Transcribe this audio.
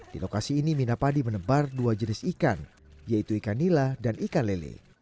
di lokasi ini mina padi menebar dua jenis ikan yaitu ikan nila dan ikan lele